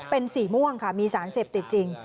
เป็นสีม่วงค่ะมีสารเสพติดจริง